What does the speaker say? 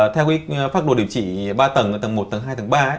theo pháp đồ điều trị ba tầng ở tầng một tầng hai tầng ba